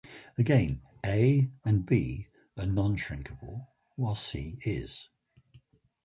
Again, "a" and "b" are non-shrinkable while "c" is.